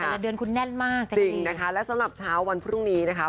แต่ละเดือนคุณแน่นมากจริงนะคะและสำหรับเช้าวันพรุ่งนี้นะคะ